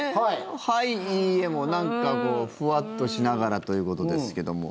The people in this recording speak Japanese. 「はい」、「いいえ」もなんかふわっとしながらということですけども。